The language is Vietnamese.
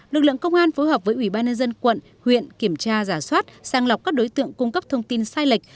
lực lượng công an phối hợp với ủy ban nhân dân quận huyện kiểm tra giả soát sang lọc các đối tượng cung cấp thông tin sai lệch